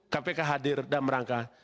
kpk hadir dan merangka